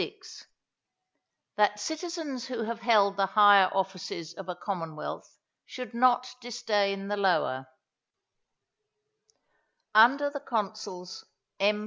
—That Citizens who have held the higher Offices of a Commonwealth should not disdain the lower. Under the consuls M.